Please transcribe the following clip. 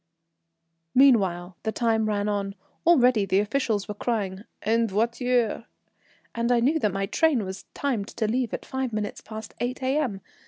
Meanwhile the time ran on. Already the officials were crying "En voiture," and I knew my train was timed to leave at five minutes past 8 A.M.